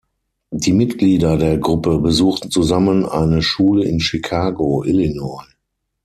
Die Mitglieder der Gruppe besuchten zusammen eine Schule in Chicago, Illinois.